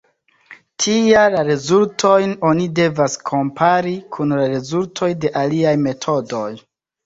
Tial la rezultojn oni devas kompari kun la rezultoj de aliaj metodoj.